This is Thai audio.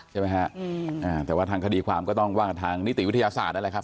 ใช่ไหมฮะแต่ว่าทางคดีความก็ต้องว่ากันทางนิติวิทยาศาสตร์นั่นแหละครับ